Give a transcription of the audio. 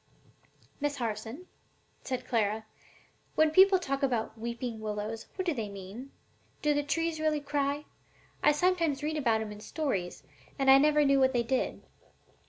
'" "Miss Harson," said Clara, "when people talk about weeping willows, what do they mean? Do the trees really cry? I sometimes read about 'em in stories, and I never knew what they did."